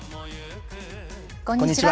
こんにちは。